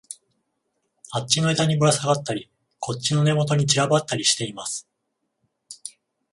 あっちの枝にぶらさがったり、こっちの根元に散らばったりしています